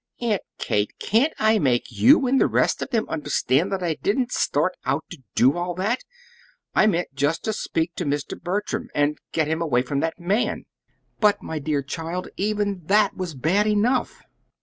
"Aunt Kate, can't I make you and the rest of them understand that I didn't start out to do all that? I meant just to speak to Mr. Bertram, and get him away from that man." "But, my dear child, even that was bad enough!"